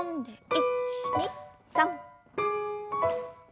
１２３。